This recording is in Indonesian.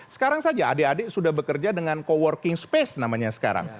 sekarang saja adik adik sudah bekerja dengan co working space namanya sekarang